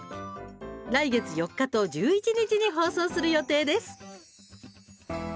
来月４日と１１日に放送する予定です。